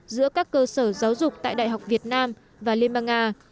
giữa các cơ sở giáo dục tại đại học việt nam và liên bang nga